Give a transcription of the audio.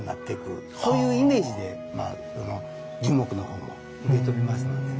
そういうイメージで樹木の方も植えておりますのでね。